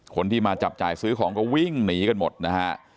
คนที่มาจับจ่ายซื้อของก็วิ่งหนีกันหมดนะฮะ